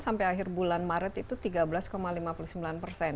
sampai akhir bulan maret itu tiga belas lima puluh sembilan persen